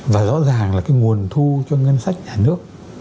và rõ ràng là cái nguồn thu cho ngân sách nhà nước